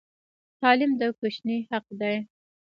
تعلیم د کوچني حق دی.